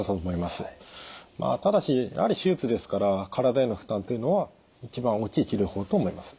ただしやはり手術ですから体への負担というのは一番大きい治療法と思います。